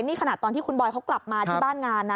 นี่ขนาดตอนที่คุณบอยเขากลับมาที่บ้านงานนะ